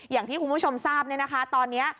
อย่างที่คุณผู้ชมทราบเนี่ยนะคะตอนนี้